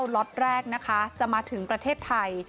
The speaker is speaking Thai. ล็อตแรกนะคะจะมาถึงประเทศไทย